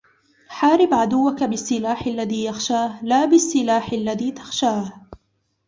حارب عدوك بالسلاح الذي يخشاه، لا بالسلاح الذي تخشاه.